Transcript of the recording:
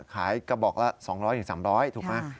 กระบอกละ๒๐๐๓๐๐ถูกไหม